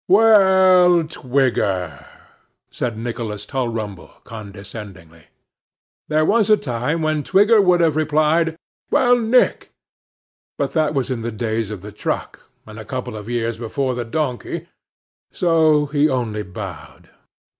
'Well, Twigger!' said Nicholas Tulrumble, condescendingly. There was a time when Twigger would have replied, 'Well, Nick!' but that was in the days of the truck, and a couple of years before the donkey; so, he only bowed.